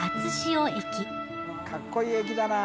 かっこいい駅だな。